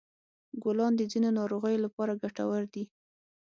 ګلان د ځینو ناروغیو لپاره ګټور دي.